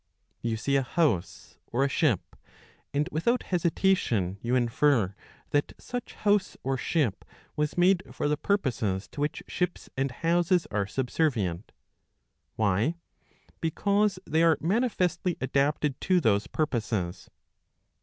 ^ You see a house or a ship, and without hesitation you infer that such house or ship was made for the purposes to which ships and houses are subservient. Why .'' Because they are manifestly adapted to those purposes.